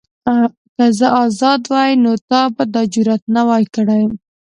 که زه ازاد وای نو تا به دا جرئت نه وای کړی.